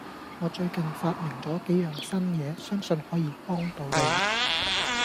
我最近發明咗幾樣新嘢，相信可以幫到你